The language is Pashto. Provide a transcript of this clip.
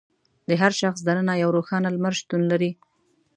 د هر شخص دننه یو روښانه لمر شتون لري.